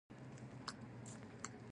کلیوالو ته یوه هم نه ورکوي.